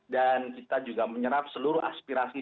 dan kita juga menyerap seluruh aspirasi